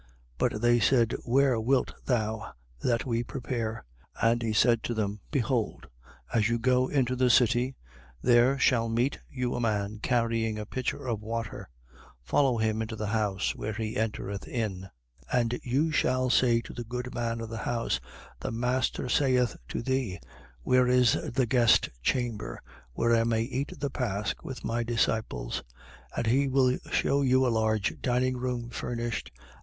But they said: Where wilt thou that we prepare? 22:10. And he said to them: Behold, as you go into the city, there shall meet you a man carrying a pitcher of water: follow him into the house where he entereth in. 22:11. And you shall say to the goodman of the house: The master saith to thee: Where is the guest chamber, where I may eat the pasch with my disciples? 22:12. And he will shew you a large dining room, furnished.